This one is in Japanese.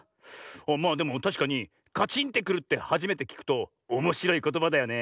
まあでもたしかにカチンってくるってはじめてきくとおもしろいことばだよねえ。